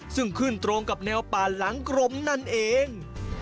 ซึ่งขึ้นตรงกับแนวป่าหลังกรมนั่นเอง